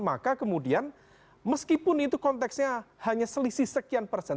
maka kemudian meskipun itu konteksnya hanya selisih sekian persen